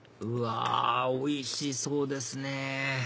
うわおいしそうですね